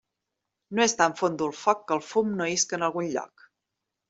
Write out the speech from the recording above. No és tan fondo el foc que el fum no isca en algun lloc.